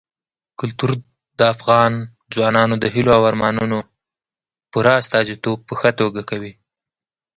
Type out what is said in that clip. کلتور د افغان ځوانانو د هیلو او ارمانونو پوره استازیتوب په ښه توګه کوي.